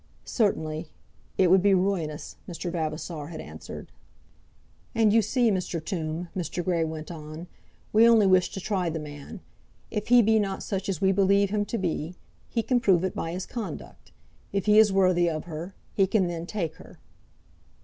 "Certainly; it would be ruinous," Mr. Vavasor had answered. "And you see, Mr. Tombe," Mr. Grey went on, "we only wish to try the man. If he be not such as we believe him to be, he can prove it by his conduct. If he is worthy of her, he can then take her."